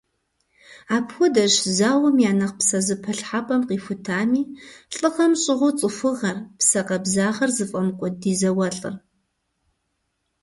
Апхуэдэщ зауэм я нэхъ псэзэпылъхьэпӏэм къихутами, лӏыгъэм щӏыгъуу цӏыхугъэр, псэ къабзагъэр зыфӏэмыкӏуэд ди зауэлӏыр.